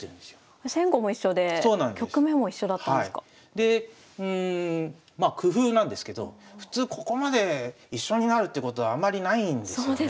でうんまあ工夫なんですけど普通ここまで一緒になるってことはあんまりないんですよね。